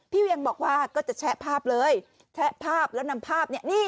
เวียงบอกว่าก็จะแชะภาพเลยแชะภาพแล้วนำภาพเนี่ย